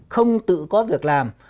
không tự có việc làm